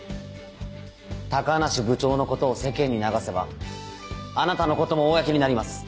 高梨部長のことを世間に流せばあなたのことも公になります。